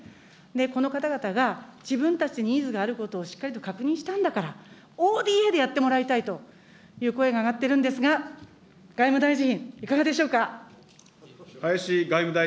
この方々が自分たちにニーズがあることをしっかりと確認したんだから、ＯＤＡでやってもらいたいという声が上がってるんですが、林外務大臣。